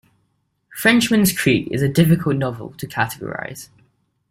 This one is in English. "Frenchman's Creek" is a difficult novel to categorise.